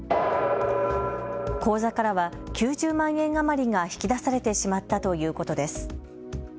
口座からは９０万円余りが引き出されてしまったということです。